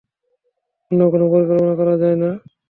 অন্য কোনো পরিকল্পনা করা যায় না?